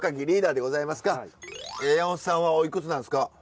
山本さんはおいくつなんですか？